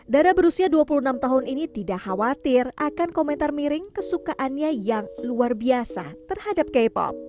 dara berusia dua puluh enam tahun ini tidak khawatir akan komentar miring kesukaannya yang luar biasa terhadap k pop